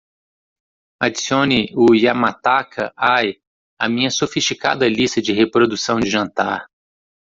adicione o Yamataka Eye à minha sofisticada lista de reprodução de jantar